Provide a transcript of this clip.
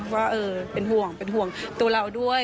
ว่าเป็นห่วงเป็นห่วงตัวเราด้วย